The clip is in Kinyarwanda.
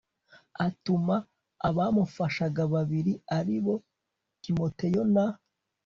Atuma abamufashaga babiri ari bo Timoteyo na